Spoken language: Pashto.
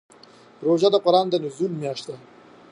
روژه د قرآن د نزول میاشت ده.